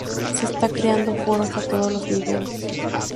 Se están creando foros a todos los niveles.